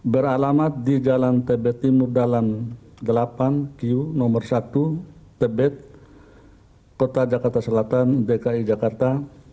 beralamat di jalan tb timur dalam delapan q nomor satu tebet kota jakarta selatan dki jakarta